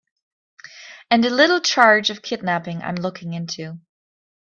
And a little charge of kidnapping I'm looking into.